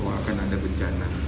bahwa akan ada bencana